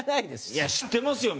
いや知ってますよ